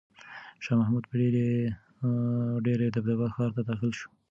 شاه محمود په ډېره دبدبه ښار ته داخل شو.